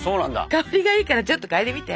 香りがいいからちょっと嗅いでみて。